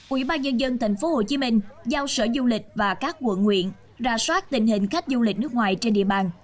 ubnd tp hcm giao sở du lịch và các quận nguyện ra soát tình hình khách du lịch nước ngoài trên địa bàn